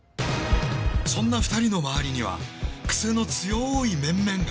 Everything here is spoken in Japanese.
そんな２人の周りにはクセの強い面々が！